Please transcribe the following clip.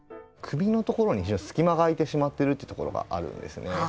首のところに非常に隙間が空いてしまっているというところがあるんですね。